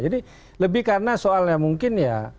jadi lebih karena soalnya mungkin ya